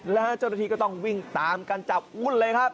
แล้วเจ้าหน้าที่ก็ต้องวิ่งตามกันจับวุ่นเลยครับ